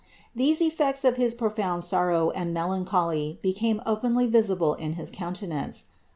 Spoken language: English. These effects of his profound sorrow and melancholy became openly visible in his countenance.